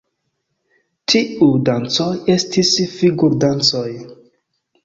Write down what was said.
Tiuj dancoj estis figur-dancoj.